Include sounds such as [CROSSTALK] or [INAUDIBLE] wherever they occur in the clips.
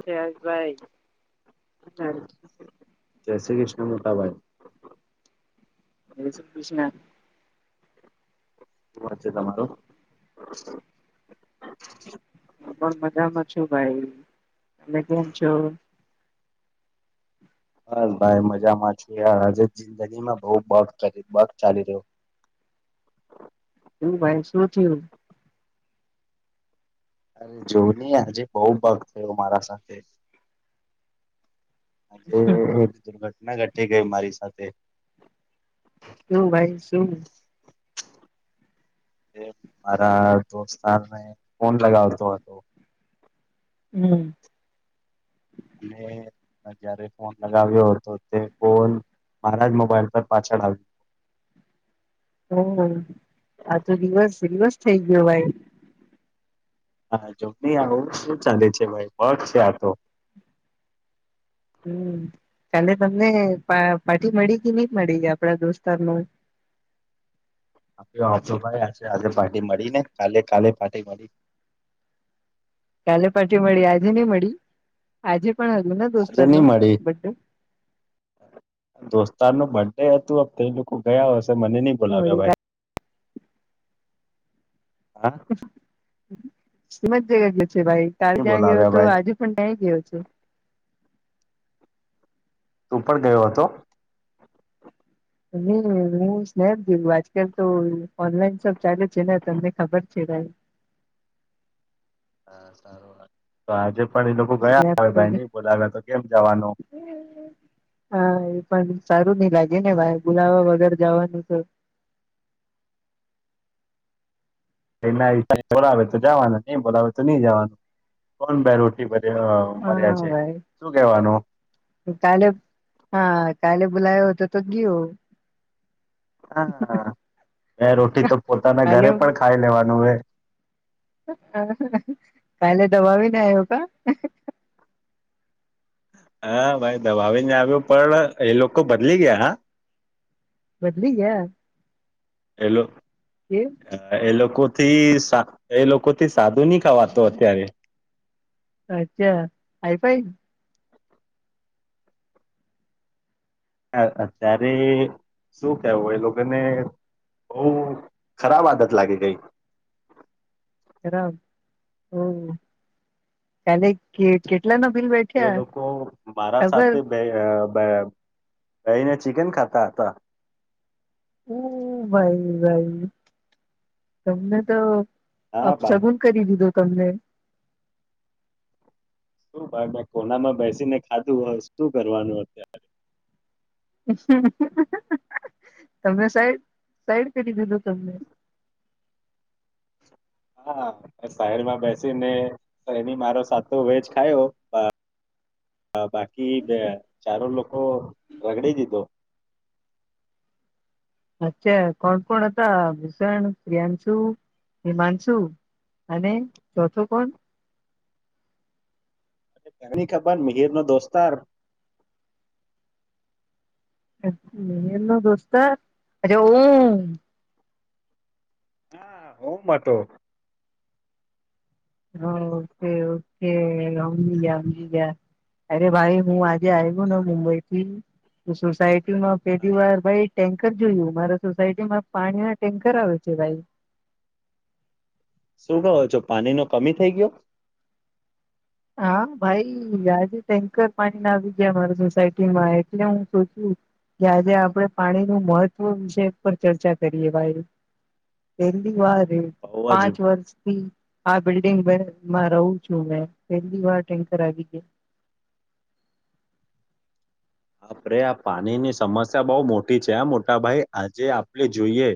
Case ભાઈ જય શ્રી કૃષ્ણ! મતાભાઈ. જય શ્રી કૃષ્ણ! શું વાત છે તમારો? હું પણ મજામાં છું ભાઈ. અને કેમ છો? બસ ભાઈ મજામાં છું, યાર આજે જ જિંદગી માં બહ બક કરી બગ ચાલી રહ્યો શું ભાઈ શું થયું? અરે જોની આજે બહ ભાગ થયો મારા સાથે હ હમ, એ દુર્ઘટના ઘટી ગઈ મારી સાથે શું ભાઈ શું? મારા દોસ્તને ફન લગાવતો હતો હમ. અને જયારે ફોન લગાવ્યો હતો તે ફોન મારા જ મોબાઈલ પર પાછળ આવ્યું [INAUDIBLE] થઈકયુ ભાઈ હા. જોમ આવું શું ચાંધે છે ભાઈ? વક છે આ તો હમ. કાલે તમને પાર્ટી મળી કે નહી મળી આપડા દોસ્તાર ન [INAUDIBLE] આપે ભાઈ આજ આજે પાર્ટી મળી ને કાલે કાલે પાર્ટી મળી. [INAUDIBLE] પાર્ટી મળી, આજે નહી મળી? આજે પણ હ્યું આજે નહી દોસ્તનું મળી બડે તાર નું બર્થડે હતું તે લોકો ગયા હશે મને નઈ બોલાવ્યા મળી ભાઈ. હા મજ્જા [UNINTELLIGIBLE] ભાઈ કાલ નહી ત્યાં ગયો બોલાવ્યા તો ભાઈ આજે પણ ત્યાંય ગયો છે. તું પણ ગયો હતો? હ હું સ્નેપ ગું આજકાલ તો ઓનલાઈન સબ ચાલે છે, ને તમને ખબર છે ભાઈ [INAUDIBLE] હા. સારું વાત તો આજે [UNINTELLIGIBLE] પણ એ લોકો ગયા સ્નેપ આવે ભાઈ નઈ બોલાવે તો કેમ જવાનું? હા એ પણ સારું નહ લાગે ને ભાઈ બુલાવા વગર જવાનું તો એના બોલાવે તો જવાનું નહી બોલાવે તો નહી જવાનું. કોણ હા મર્યા છે ભાઈ શું કેવાનું? કાલે હા કાલે બુલાવ હો તો તો ગીયો. હા. બે રોટી તો પોતાના કાલે ઘરે પણ ખાઈ લેવાનું હો કાલે દબાવીને આવ્યો કા હા ભાઈ. દબાવીને આવ્યો પણ એ લોકો બદલી ગયા હા બદલી ગયા? એ કે એ લોકો થી એ લોકો થી સાદું ન ખાવાતો અત્યારે અચ્છા હઈફાઈ અત્યારે શું કેવું એ લોકોને બહુ ખરાબ આદત લાગી ગઈ. [UNINTELLIGIBLE] તે બેઠ્યા લોકો મારા ખબર સાથે બેસીને બેસીને ચિકન ખાતા હતા. ઓ ભાઈ ભાઈ તમને તો હા ભાઈ અફસગુન કરી દીધો તમને મે કોનામાં બેસી ને ખાધું હો શું કરવાનું અત્યારે? [UNINTELLIGIBLE] તમે સાઈડ સાઈડ કરી દીધું તમને હા. સાઈડમાં બેસી ને મારો સાતો વેજ ખાયો હ બાકી બે ચારો લોકો રગડી દીધો અચ્છા. કોણ કોણ હતા? ભીષણ, પ્રિયાંશુ, હિમાંશુ. અને ચોથો કોણ? તમને ની ખબર મિહિર નો દોસ્તાર. મિહિરનો દોસ્તાર [UNINTELLIGIBLE] હા. ઓકે ઓકે સમજી ગયા સમજી ગયા અરે ભાઈ હું જે આવ્યું ને મુંબઈ થી સોસાયટી ન પેલી વાર ભાઈ ટેન્કર જોયું મારા સોસાયટીમાં પાણી ના ટેન્કર આવે છે ભાઈ. શું કહો છો પાણી નો કમી થઈ ગયો? હા ભાઈ આજે ટેન્કર પાણી ના આવી ગયા મારા સોસાયટીમાં એટલે હું સોચું કે આજે આપડે પાણી નું મહત્વ વિષય પર ચર્ચા કરીએ ભાઈ. પહેલી વાર બઉ જ પાંચ વર્ષથી આ બિલ્ડિંગમાં રહું છું મે. પહેલી વાર ટેન્કર આવી ગયા. આપરે આ પાણીની સમસ્યા બહ મોટી છે આ મોટા ભાઈ આજે આપણે જોઈએ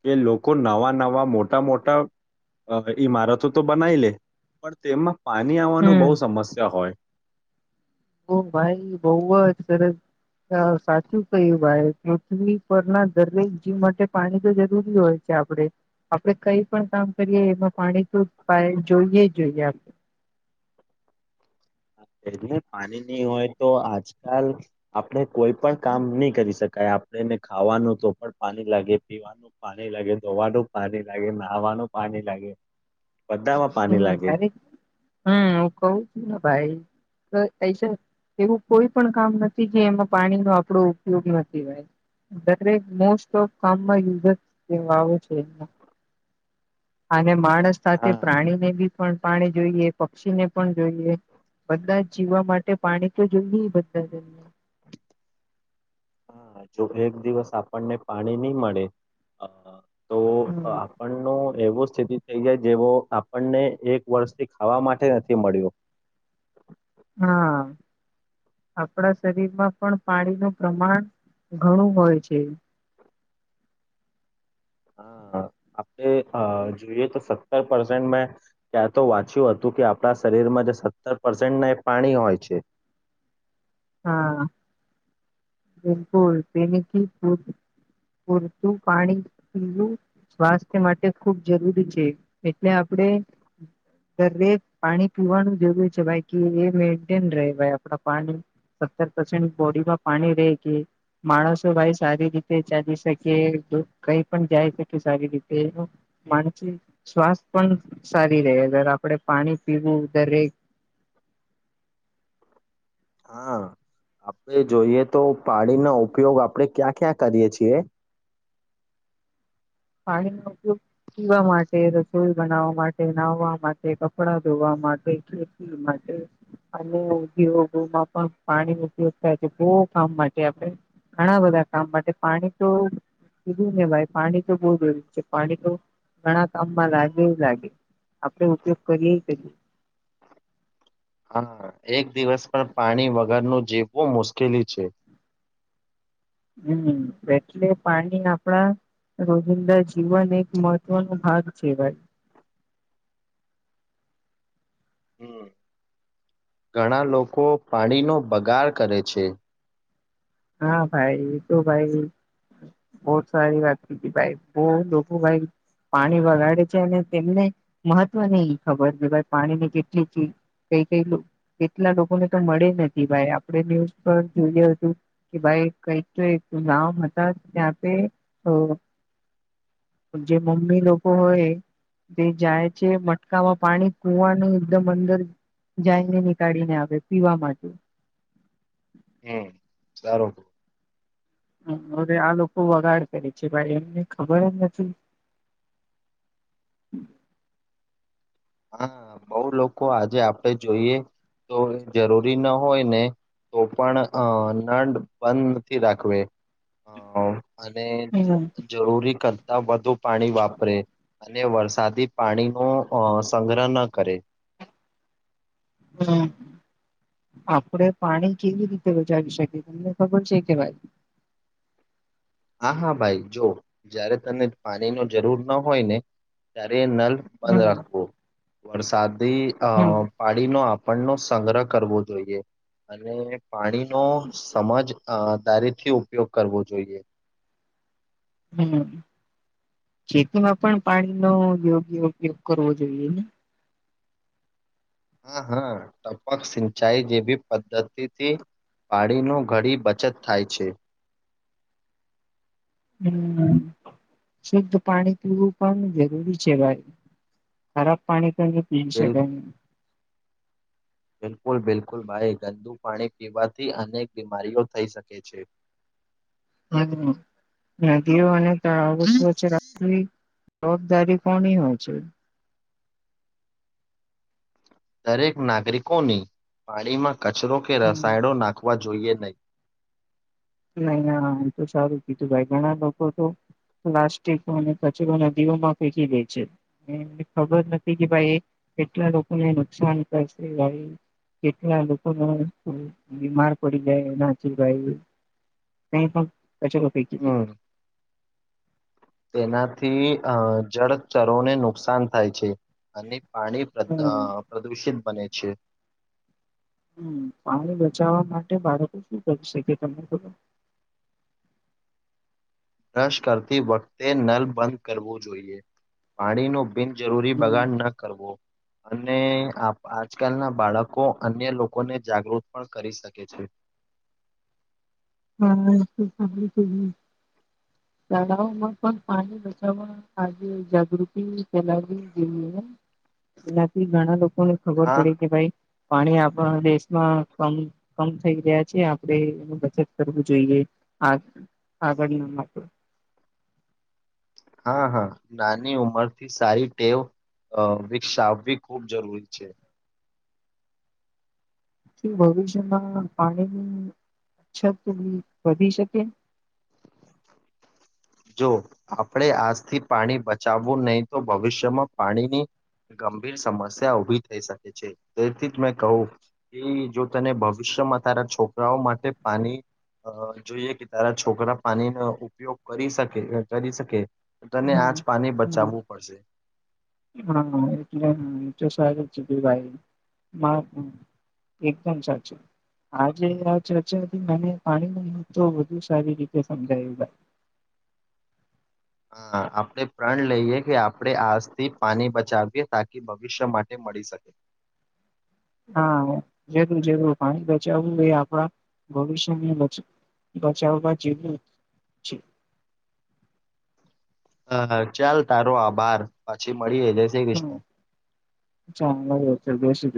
કે લોકો નવા નવા મોટા મોટા અ ઈમારતો તો બનાવી લે પણ તેમાં પાણી આવવાનું બહુ હમ. સમસ્યા હોય. ઓ ભાઈ. બઉ જ જ સરસ. સાચું કય્યું ભાઈ પૃથ્વી પર ના દરેક જીવ માટે પાણી તો જરૂરી હોય છે. આપણેે આપણેે કઈ પણ કામ કરીએ એમાં પાણી તો જોઈએ જોઈએ આપણે એટલે પાણીની હોય તો આજકાલ આપણે કોઈ પણ કામ નહી કરી શકાય. આપણેને ખાવાનું તો પણ પાણી લાગે, પીવાનું પાણી લાગે, ધોવાનું પાણી લાગે, નાહવાનું, પાણી લાગે. [INAUDIBLE] બધામાં પાણી લાગે હમરે હમ હું કવ છું ને ભાઈ તો છે. એવું કોઈ પણ કામ નથી જે એમાં પાણીનો આપણો ઉપયોગ નથી હોય દરેક મોસ્ટ ઓફ કામમાં યુઝ જ આવે છે. અને માણસ સાથે હા ને બી પણ પાણી જોઈએ, પક્ષીને પણ જોઈએ. બધા જ જીવવા માટે પાણી તો જોઈ ન બધાને. હા. જો એક દિવસ આપણને પાણી નહી મળે અ તો હમ આપણ નો એવું સ્થિતિ થઈ જાય જેવો આપણને એક વર્ષથી ખાવા માટે નથી મળ્યો. હા. આપણા શરીરમાં પણ પાણીનું પ્રમાણ ઘણું હોય છે.. હા. આપણે જોઈએ તો સત પર્સેન્ટ મેં ક્યાં તો વાંચ્યું હતું કે આપણા શરીરમાં જે સત્તર પર્સેન્ટ ના એ પાણી હોય છે. છે હા બિલકુલ. તે પૂરતું પાણી પીવું. સ્વાસ્થ્ય માટે ખૂબ જરૂરી છે એટલે આપડે પાણી પીવાનું જરૂર છે, ભાઈ કે એ મેન્ટેન રહે ભાઈ આપડા પાણી સત્તર પર્સેન્ટ બોડીમાં પાણી રે કે માણસો ભાઈ સારી રીતે ચાલી શકે કઈ પણ જાય શકે સારી રીતે માણસ સ્વાસ્થ પણ સારી રહે આપણેે પાણી પીવું દરેક [INAUDIBLE] હા આપણે જોઈએ તો પાણીનો ઉપયોગ આપડે ક્યાં ક્યાં કરીય છીએ પાણીનો ઉપયોગ પીવા માટે રસોઈ બનાવવા માટે નાહવા માટે કપડા ધોવા માટે અને ઉદ્યોગોમાં પણ પાણી ઉપયોગ થાય છે બહુ કામ માટે આપણે ઘણા બધા કામ માટે પાણી તો કીધું ને ભાઈ પાણી બહુ જરૂરી છે પાણી તો ઘણા કામમાં લાગે લાગે આપણેે ઉપયોગ કરીએે કરીએ હા એક દિવસ પણ પાણી વગરનું જીવવું મુશ્કેલી છે હું એટલે પાણી આપડા રોજિંદા જીવન એક મહત્વનો ભાગ કેવાય [INAUDIBLE] હમ, ઘણા લોકો પાણીનો બગાડ કરે છે હા ભાઈ તું ભાઈ બહુ સારી વાત કીધીભાઈ બહું લોકો ભાઈ પાણી વગાડે છે અને તેમને મહત્વ નહી ખબર કે ભાઈ પાણી ની કેટલી કઈ કઈ કેટલા લોકોને તો મળે નથી ભાઈ આપણે ન્યૂઝ પર જોઈએ હતું કે ભાઈ કઈક તો એક ગામ હતા ત્યાં પે તો જે મમ્મી લોકો હોય તે જાય છે મટકામાં પાણી કુવાનું એકદમ અંદર જઈને નીકાળી ને આવે પીવા માટે હમ. સારું હવે આ લોકો બગાડ કરે છે ભાઈ એમને ખબર જ નથી [INAUDIBLE] હા બહું લોકો આજે આપડણે જોઈએ તો એ જરૂરી ના હોય ને તો પણ અ નળ બંધ નથી રાખવે અ અને હમ જરૂરી ક નાબધુ પાણી વાપરે અને વરસાદી પાણી ન અ સંગ્રહના કર હમ આપડે પાણી કેવી રીતે બચાવી શકીએ તમને ખબર છે કે ભાઈ હા હા ભાઈ જો જયારે તને પાણી ન જરૂર ન હોય ને ત્યારે નલ બંધ હમ રાખવુ વરસાદી અ હમ પાડી ન આપવુ પણ નો સંગ્રહ કરવો જોઈએ અને પાણીનોો સમજ દારીથી ઉપયોગ કરવો જોઈએ હું ખેતરમાં પણ પાણીનો યોગ્ય ઉપયોગ કરવો જોઈએ ને હા હા ટપક સિંચાઈ જેવી પદ્ધતિથી પાણીનો ઘડી બચત થાય છે [INAUDIBLE] હમ શુદ્ધ પાણી પીવું પણ જરૂરી છે ભાઈ ખરાબ પાણી તો પી બિલ શકાય બિલકુલ બિલકુલ ભાઈ ગંદુ પાણી પીવાથી અનેક બીમારીઓ થઈ શકે છે હાતો નદીઓ અક ત અવસ્ હ છે રા જવાબદારી કોની હોય છે દરેક નાગરિકોની પાણીમાં કચરો કે હમ રસાયણો નાખવાથી જોઈએ નહી ના ના એ તો સારું કીધું ભાઈ ઘણા લોકો તો પ્લાસ્ટિક અને કચરો નદીઓમાં ફેકી દે છે એને ખબર નથી કે ભાઈ કેટલા લોકો ને નુકસાન કરશે ગ કેટલા લોકોને બીમાર પડી જાય એનાચી ભાઈ તે પણ કચરો ફેકી દીધો હમ તેનાથી અ જળ ચરોને નુકસાન થાય છે અને પાણી હમ પ્રદૂષિત બને છે પાણી બચાવવા માટે બાળકો શું કરી શકે તમે બ બ્રશ કરતી વખતે નલ બંધ કરવું જોઈએ પાણી નો બિન જરૂરી હમ બગાન ન કરવો અને આજકાલના બાળકો અન્ય લોકોને જાગૃત પણ કરી શકે છે હા શાળાઓમાં પણ પાણી બચાવવા આજે જાગૃતિ ફેલાવી જોઈએ એનાથી ઘણા લોકોને ખબર હા પડી કે ભાઈ પાણી આપણા દેશમાં કમ કમ થઈ રહ્યા છે આપણેે એ બચત કરવું જોઈએ આ આગળ માટે હા હા નાની ઉંમર થી સારી ટેવ અ વિકસાવવી ખૂબ જરૂરી છે ભવિષ્યમાં પાણીની અછ વધી શકે જો આપણે આજથી પાણી બચાવવું નહી તો ભવિષ્યમાં પાણીની ગંભીર સમસ્યા ઉભી થઈ શકે છે તેથી જ મેં કહું કે જો તને ભવિષ્ય જો તારા છોકરાઓ માટે પાણી જોઈએ કે તારા છોકરા પાણીનો ઉપયોગ કરી શકે કરી શકે તને હમ આજ પાણી હમ બચાવવું પડશે હા એટલે બહુ એ તો સારું જ ભાઈ એકદમ ચર્ચી આજે આ ચર્ચા હતીથી મને પાણી ન તો વધુ સારી રીતે સમજાયું [INAUDIBLE] હાઆપણે પ્રણ લઈએ કે આપણે આજથી પાણી બચાવીએ તાકી ભવિષ્ય માટે મળી શક [INAUDIBLE] [INAUDIBLE] હા જરૂર જરૂું પાણી બચાવું એ આપડા ભવિષ્યની બચ બચાવમાં જવું છે. હાહા ચાલ તારો આભાર પછી મળીએ જય શ્રી હમ કૃષ્ણ ચાલા હો છે બેસી